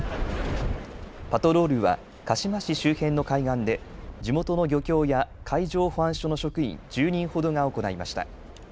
パトロールは鹿嶋市周辺の海岸で地元の漁協や海上保安署の職員１０人ほどが行いました。